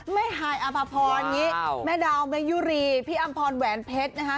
แม่ฮายอัมพอร์นแม่ดาวแม่ยุรีพี่อัมพอร์นแหวนเพชรนะฮะ